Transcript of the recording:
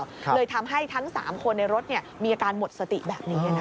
เลยทำให้ทั้ง๓คนในรถมีอาการหมดสติแบบนี้นะคะ